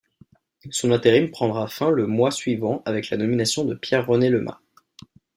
Son intérim prendra fin le mois suivant avec la nomination de Pierre-René Lemas.